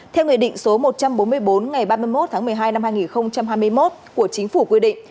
theo nghị định số một trăm bốn mươi bốn ngày ba mươi một tháng một mươi hai năm hai nghìn hai mươi một của chính phủ quy định